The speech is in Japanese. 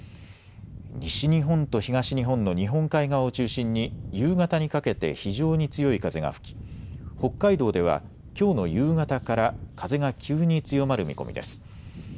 西日本と東日本の日本海側を中心に夕方にかけて非常に強い風が吹き北海道ではきょうの夕方から風が急に強まる見込みです。